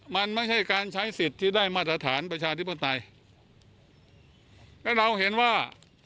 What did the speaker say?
มันไม่ใช่การใช้สิทธิ์ที่ได้มาตรฐานประชาธิปไตยและเราเห็นว่า